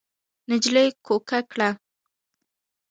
نجلۍ کوکه کړه.